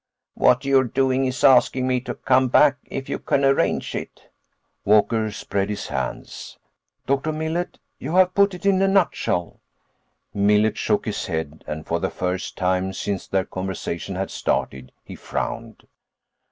"What you're doing is asking me to come back if you can arrange it." Walker spread his hands. "Dr. Millet, you have put it in a nutshell." Millet shook his head, and for the first time since their conversation had started he frowned.